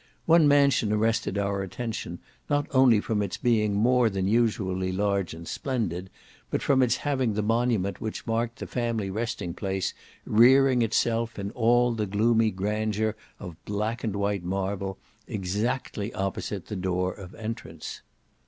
One mansion arrested our attention, not only from its being more than usually large and splendid, but from its having the monument which marked the family resting place, rearing itself in all the gloomy grandeur of black and white marble, exactly opposite the door of entrance.